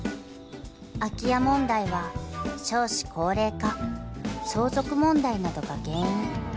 ［空き家問題は少子高齢化相続問題などが原因］